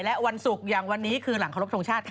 และวันสุกวันนี้คือหลังคลบทรงชาติค่ะ